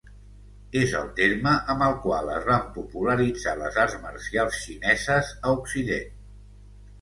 És el terme amb el qual es van popularitzar les arts marcials xineses a Occident.